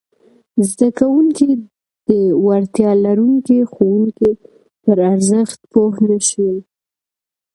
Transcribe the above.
زده کوونکي د وړتیا لرونکي ښوونکي پر ارزښت پوه نه شول!